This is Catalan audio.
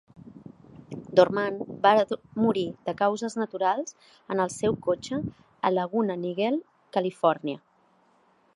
Dorman va morir de causes naturals en el seu cotxe a Laguna Niguel, Califòrnia.